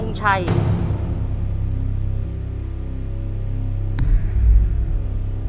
คุณยายแจ้วเลือกตอบจังหวัดนครราชสีมานะครับ